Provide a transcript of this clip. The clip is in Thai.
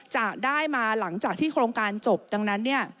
จะได้มาหลังจากที่โครงการจบดังนั้นเนี่ย